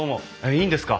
いいんですか？